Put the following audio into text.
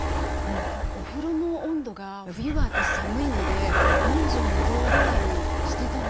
お風呂の温度が冬は私寒いので４２度ぐらいにしてたんですよ。